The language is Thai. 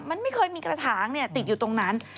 มันไม่เคยมีกระถางติดอยู่ตรงนั้น